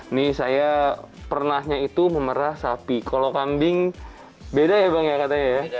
ini saya pernahnya itu memerah sapi kalau kambing beda ya bang ya katanya ya